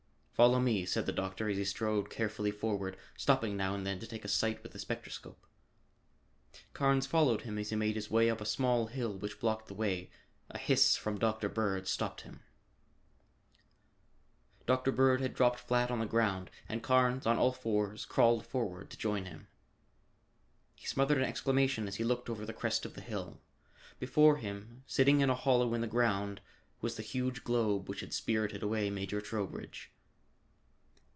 "Follow me," said the doctor as he strode carefully forward, stopping now and then to take a sight with the spectroscope. Carnes followed him as he made his way up a small hill which blocked the way. A hiss from Dr. Bird stopped him. Dr. Bird had dropped flat on the ground, and Carnes, on all fours, crawled forward to join him. He smothered an exclamation as he looked over the crest of the hill. Before him, sitting in a hollow in the ground, was the huge globe which had spirited away Major Trowbridge.